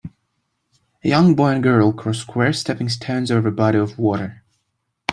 A young boy and girl cross square stepping stones over a body of water